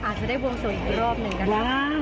อาจจะได้วงสวยอีกรอบหนึ่งนะคะ